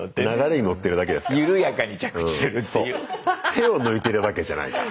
手を抜いてるわけじゃないから。